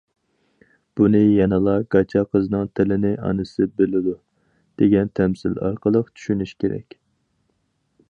بۇنى يەنىلا گاچا قىزنىڭ تىلىنى ئانىسى بىلىدۇ، دېگەن تەمسىل ئارقىلىق چۈشىنىش كېرەك.